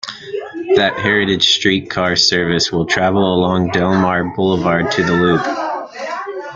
That heritage streetcar service will travel along Delmar Boulevard to the Loop.